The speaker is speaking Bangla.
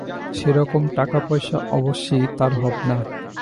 সেরকম টাকা পয়সা অবশ্যি তার হবে না।